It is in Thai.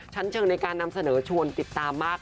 ชั้นเชิงในการนำเสนอชวนติดตามมาก